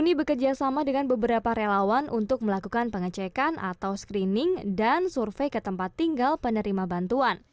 ini bekerja sama dengan beberapa relawan untuk melakukan pengecekan atau screening dan survei ke tempat tinggal penerima bantuan